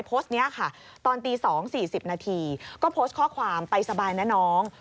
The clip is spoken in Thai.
โพสต์นี้ค่ะตอนตี๒๔๐นาทีก็โพสต์ข้อความไปสบายนะน้อง